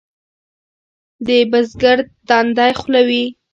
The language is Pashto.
د بزګر تندی خوله وي.